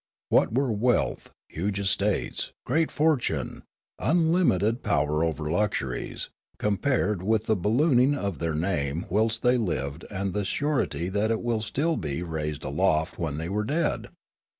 What were wealth, huge estates, great fortune, unlimited power over lux uries, compared with the ballooning of their name whilst they lived and the surety that it would still be raised aloft when they were dead